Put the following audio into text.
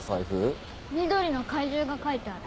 緑の怪獣が描いてある。